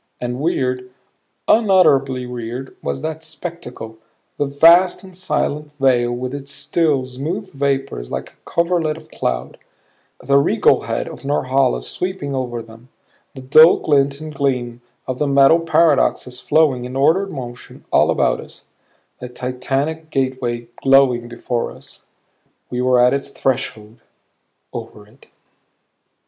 And weird, unutterably weird was that spectacle the vast and silent vale with its still, smooth vapors like a coverlet of cloud; the regal head of Norhala sweeping over them; the dull glint and gleam of the metal paradoxes flowing, in ordered motion, all about us; the titanic gateway, glowing before us. We were at its threshold; over it.